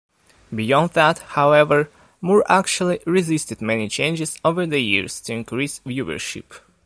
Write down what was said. Beyond that, however, Moore actually resisted many changes over the years to increase viewership.